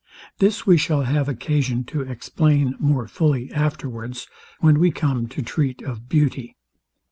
This we shall have occasion to explain more fully afterwards, when we come to treat of beauty.